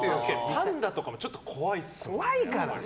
パンダとかもちょっと怖いですもんね。